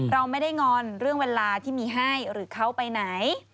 เราไม่ได้งอนเรื่องเวลาที่มีให้หรือเขาไปไหน